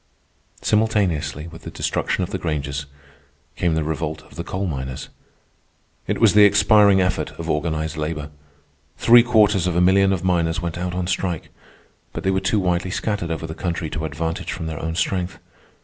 Simultaneously with the destruction of the Grangers came the revolt of the coal miners. It was the expiring effort of organized labor. Three quarters of a million of miners went out on strike. But they were too widely scattered over the country to advantage from their own strength.